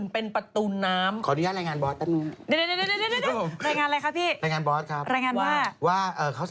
เพราะละฮะ